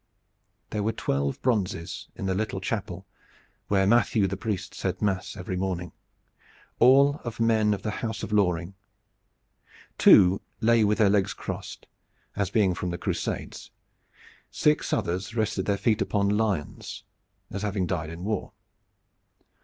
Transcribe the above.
There were twelve bronzes in the little chapel where Matthew the priest said mass every morning, all of men of the house of Loring. Two lay with their legs crossed, as being from the Crusades. Six others rested their feet upon lions, as having died in war.